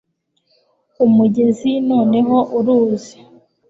umugezi noneho uruzi